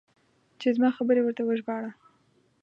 چې زما خبرې ورته وژباړه.